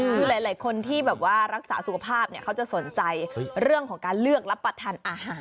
คือหลายคนที่แบบว่ารักษาสุขภาพเนี่ยเขาจะสนใจเรื่องของการเลือกรับประทานอาหาร